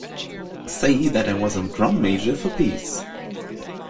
Say that I was a drum major for peace.